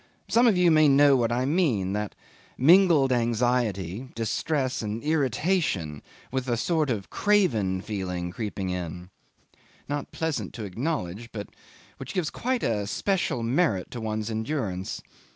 Some of you may know what I mean: that mingled anxiety, distress, and irritation with a sort of craven feeling creeping in not pleasant to acknowledge, but which gives a quite special merit to one's endurance.